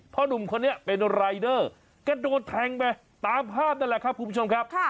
หนุ่มคนนี้เป็นรายเดอร์กระโดดแทงไปตามภาพนั่นแหละครับคุณผู้ชมครับ